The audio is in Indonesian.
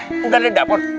nggak ada di dapur